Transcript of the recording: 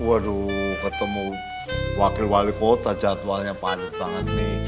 waduh ketemu wakil wali kota jadwalnya padat banget mih